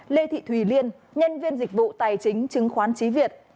lê thị thùy liên nhân viên dịch vụ tài chính chứng khoán trí việt